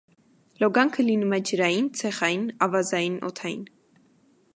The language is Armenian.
Լոգանքը լինում է ջրային, ցեխային, ավազային, օդային։